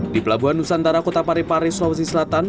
di pelabuhan nusantara kota pari pari sulawesi selatan